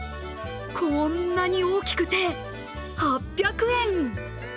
こんなに大きくて８００円！